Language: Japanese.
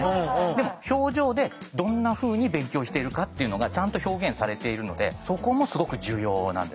でも表情でどんなふうに勉強してるかっていうのがちゃんと表現されているのでそこもすごく重要なんですね。